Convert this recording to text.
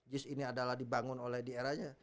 jis ini adalah dibangun oleh di eranya